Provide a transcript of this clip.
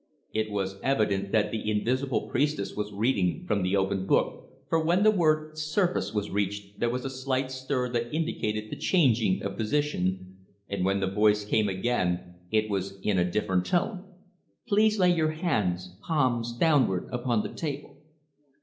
It was evident that the invisible priestess was reading from the open book, for when the word "surface" was reached there was a slight stir that indicated the changing of position; and when the voice came again it was in a different tone. "Please lay your hands, palms downward, upon the table."